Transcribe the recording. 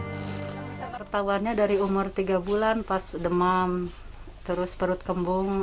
kita wartawannya dari umur tiga bulan pas demam terus perut kembung